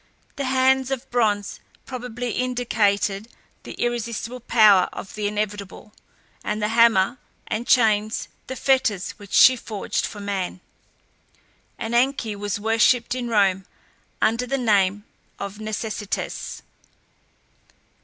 The hands of bronze probably indicated the irresistible power of the inevitable, and the hammer and chains the fetters which she forged for man. Ananke was worshipped in Rome under the name of Necessitas.